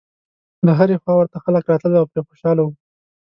له هرې خوا ورته خلک راتلل او پرې خوشاله و.